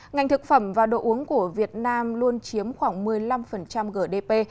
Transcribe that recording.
ngành thực phẩm và đồ uống của việt nam luôn chiếm khoảng một mươi năm gdp